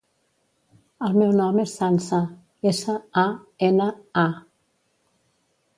El meu nom és Sança: essa, a, ena, a.